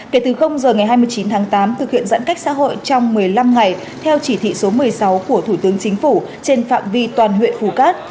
kể từ giờ ngày hai mươi chín tháng tám thực hiện giãn cách xã hội trong một mươi năm ngày theo chỉ thị số một mươi sáu của thủ tướng chính phủ trên phạm vi toàn huyện phù cát